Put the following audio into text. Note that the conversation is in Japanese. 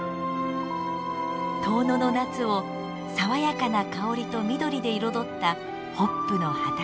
遠野の夏を爽やかな香りと緑で彩ったホップの畑。